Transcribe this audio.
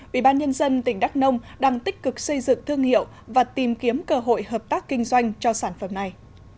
ủy ban nhân dân tỉnh đắk nông đang tích cực xây dựng thương hiệu và tìm kiếm cơ hội hợp tác kinh doanh cho sản phẩm này